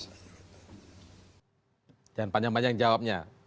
jangan panjang panjang jawabnya